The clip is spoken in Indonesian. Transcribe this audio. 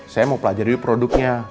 saya mau pelajari produknya